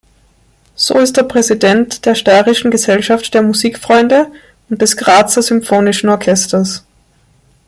So ist er Präsident der "Steirischen Gesellschaft der Musikfreunde" und des "Grazer Symphonischen Orchesters".